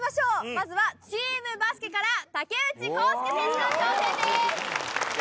まずはチームバスケから竹内公輔選手の挑戦です。